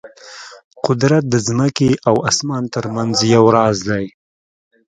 قدرت د ځمکې او اسمان ترمنځ یو راز دی.